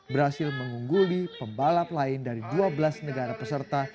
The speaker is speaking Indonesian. berhasil mengungguli pembalap lain dari dua belas negara peserta